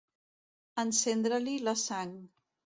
Encendre-li la sang.